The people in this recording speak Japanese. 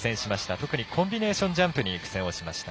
特にコンビネーションジャンプに苦戦をしました。